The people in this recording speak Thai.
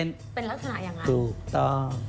เป็นลักษณะอย่างนั้นถูกต้อง